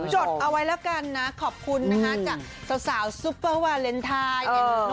จดเอาไว้แล้วกันนะขอบคุณนะคะจากสาวซุปเปอร์วาเลนไทย